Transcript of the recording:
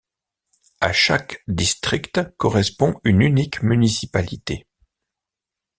À chaque district correspond une unique municipalité.